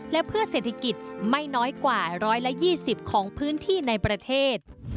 และเพื่อเศรษฐกิจไม่น้อยกว่า๑๒๐ของพื้นที่ในประเทศ